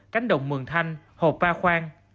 cánh đồng mường thanh hộp ba khoang